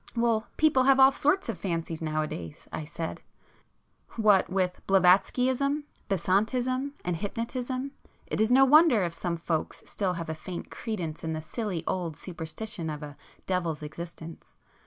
"Well, people have all sorts of fancies now a days"—I said; "What with Blavatskyism, Besantism and hypnotism, it is no wonder if some folks still have a faint credence in the silly old superstition of a devil's existence.